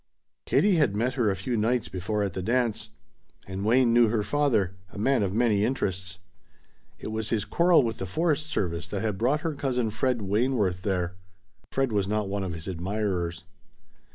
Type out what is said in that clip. Katie had met her a few nights before at the dance. And Wayne knew her father a man of many interests. It was his quarrel with the forest service that had brought her cousin Fred Wayneworth there. Fred was not one of his admirers.